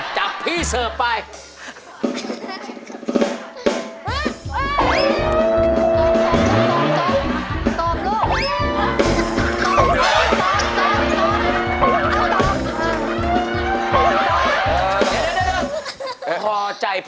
จากพี่เซอร์ปไป